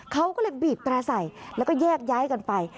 เขาก็เลยบีบแตร่ใส่แล้วก็แยกย้ายกันไป